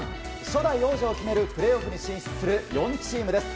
初代王者を決めるプレーオフに進出する４チームです。